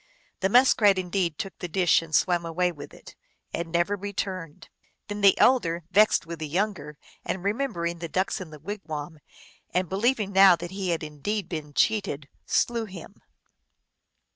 The Muskrat indeed took the dish and swam away with it, and never returned. Then the elder, vexed with the younger, and re membering the ducks in the wigwam, and believing now that he had indeed been cheated, slew him.